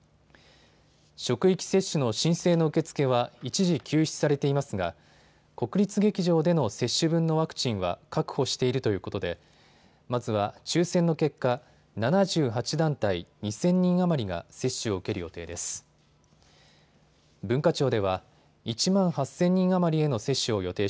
職域接種の申請の受け付けは一時、休止されていますが国立劇場での接種分のワクチンは確保しているということでまずは抽せんの結果、７８団体、２０００人余りが接種を受ける予定です。